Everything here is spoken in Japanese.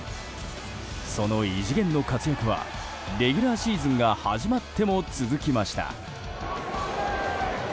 その異次元の活躍はレギュラーシーズンが始まっても続きました。